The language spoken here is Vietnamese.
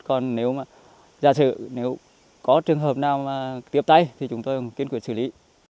còn nếu mà giả sử nếu có trường hợp nào mà tiếp tay thì chúng tôi kiên quyết xử lý